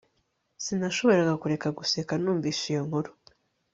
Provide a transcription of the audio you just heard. Sinashoboraga kureka guseka numvise iyo nkuru